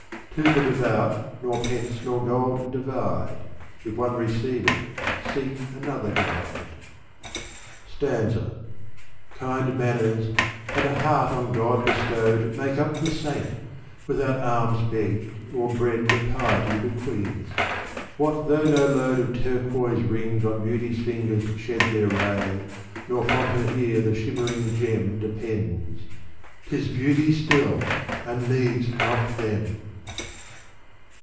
To the devout, nor pence nor gold divide ; If one receive it, seek another guide. ^ Digitized by Google 9F Sianta» Kind mannersy and a heart on God bestowed Make up the saint, without alms begged or bread That piety bequeathes. What though no load Of turquoise rings on Beauty's fingers shed Their ray, nor from her ear the shimmering gem Depends ; 'tis Beauty still, and needs not them.